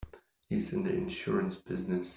He's in the insurance business.